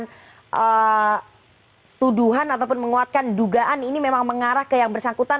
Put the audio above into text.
jadi kalau sudah ada tuduhan ataupun menguatkan dugaan ini memang mengarah ke yang bersangkutan